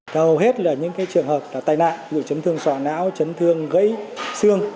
cả hầu hết là những trường hợp là tai nạn chấn thương sọ não chấn thương gây xương